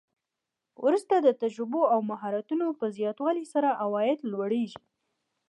وروسته د تجربو او مهارتونو په زیاتوالي سره عواید لوړیږي